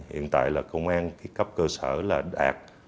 hiện tại là công an cấp cơ sở là đạt